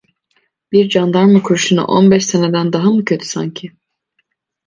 Bir candarma kurşunu on beş seneden daha mı kötü sanki?